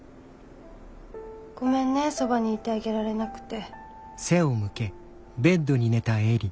ごめんねそばにいてあげられなくて。